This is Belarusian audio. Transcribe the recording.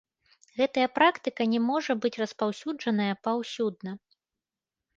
Гэтая практыка не можа быць распаўсюджаная паўсюдна.